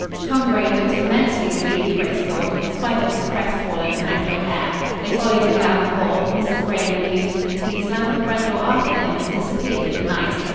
Tom Gray looked immensely relieved, Grace thought, in spite of his crestfallen, hangdog air. They followed him down the hall, Mrs. Gray in the lead, until he slammed the front door after him and disappeared in the night.